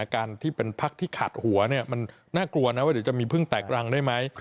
การที่เป็นพักที่ขาดหัวมันน่ากลัวนะว่าเดี๋ยวจะมีพึ่งแตกรังได้ไหม